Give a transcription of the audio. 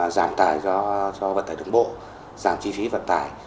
giảm tài do vận tải đồng bộ giảm chi phí vận tải